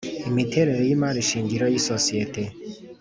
imiterere y’imari shingiro y’isosiyete;